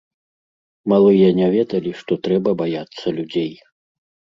Малыя не ведалі, што трэба баяцца людзей.